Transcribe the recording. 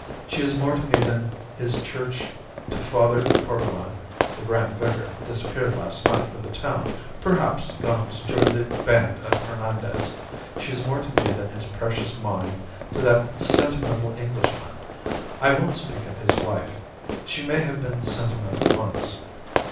She is more to me than his Church to Father Corbelan (the Grand Vicar disappeared last night from the town; perhaps gone to join the band of Hernandez). She is more to me than his precious mine to that sentimental Englishman. I won't speak of his wife. She may have been sentimental once.